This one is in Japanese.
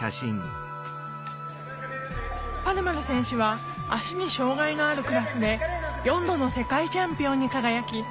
パルマル選手は足に障害のあるクラスで４度の世界チャンピオンに輝き